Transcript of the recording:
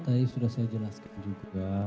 tadi sudah saya jelaskan juga